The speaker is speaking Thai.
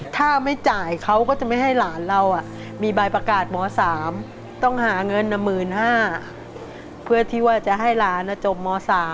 ถ้าไม่จ่ายเขาก็จะไม่ให้หลานเรามีใบประกาศม๓ต้องหาเงิน๑๕๐๐บาทเพื่อที่ว่าจะให้หลานจบม๓